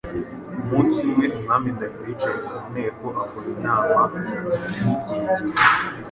Umunsi umwe, Umwami Ndahiro yicaye ku nteko akora inama n’ibyegera,